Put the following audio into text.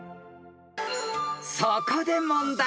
［そこで問題］